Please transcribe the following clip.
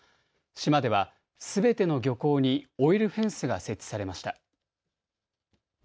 島ではすべての漁港にオイルフェンスが設置されました。